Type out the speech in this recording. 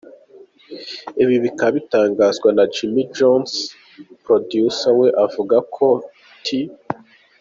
Ibi bikaba bitanganzwa na Jim Jonsin Producer we uvuga ko T.